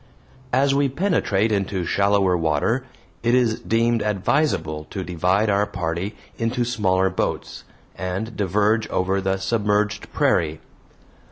As we penetrate into shallower water, it is deemed advisable to divide our party into smaller boats, and diverge over the submerged prairie.